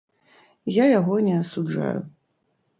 Я яго не асуджаю.